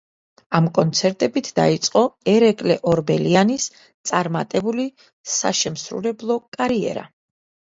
ამ კონცერტებით დაიწყო ერეკლე ორბელიანის წარმატებული საშემსრულებლო კარიერა.